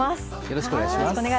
よろしくお願いします。